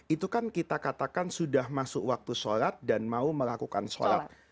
itu kan kita katakan sudah masuk waktu sholat dan mau melakukan sholat